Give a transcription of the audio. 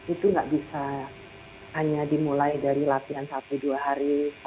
itu nggak bisa hanya dimulai dari latihan satu dua hari